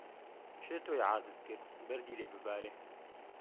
کێ تۆی عاجز کرد بەردی لێ ببارێ